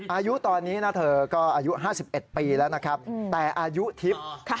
อายุตอนนี้นะเธอก็อายุห้าสิบเอ็ดปีแล้วนะครับอืมแต่อายุทิพย์ค่ะ